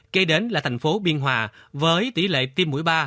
kế đến là thành phố biên hòa với tỷ lệ tiêm mũi ba